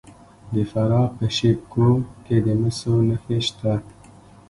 د فراه په شیب کوه کې د مسو نښې شته.